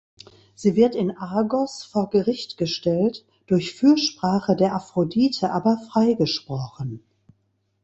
Sie wird in Argos vor Gericht gestellt, durch Fürsprache der Aphrodite aber freigesprochen.